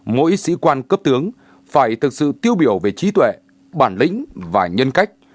mỗi sĩ quan cấp tướng phải thực sự tiêu biểu về trí tuệ bản lĩnh và nhân cách